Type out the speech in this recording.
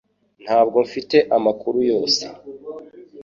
Ntabwo mfite amakuru yose